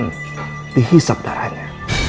dan dihisap darahnya